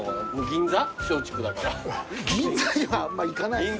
銀座にはあんま行かないです。